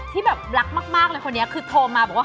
ที่แบบรักมากเลยคนนี้คือโทรมาบอกว่า